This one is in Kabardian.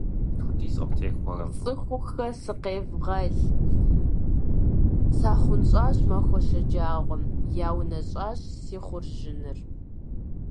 Цӏыхухэ! Сыкъевгъэл! Сахъунщӏащ махуэ шэджагъуэм. Яунэщӏащ си хъуржыныр.